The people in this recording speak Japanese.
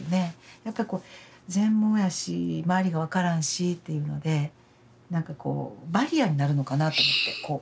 やっぱ全盲やし周りが分からんしっていうのでなんかこうバリアになるのかなと思って人がね。